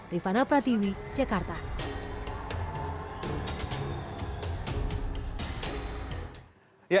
rifana pratiwi jakarta